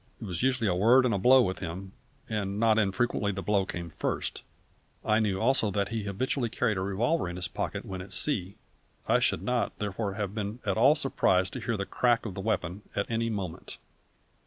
It was usually a word and a blow with him, and not infrequently the blow came first; I knew also that he habitually carried a revolver in his pocket when at sea. I should not, therefore, have been at all surprised to hear the crack of the weapon at any moment.